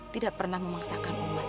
tidak pernah memaksakan umat